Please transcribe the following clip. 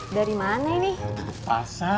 akarnya ke original siapa ya